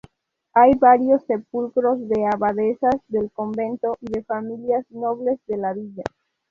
Hay varios sepulcros de abadesas del convento y de familias nobles de la villa.